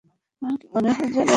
আমার কী মনে হয় জানেন?